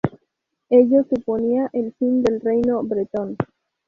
Ello suponía el fin del reino bretón.